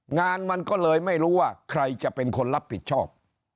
งานมันก็เลยไม่รู้ว่าใครจะเป็นคนรับผิดชอบ